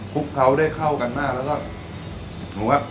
ทุกเค้าได้เข้ากันมากแล้วก็หนูฮะ